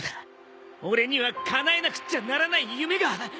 俺にはかなえなくっちゃならない夢が。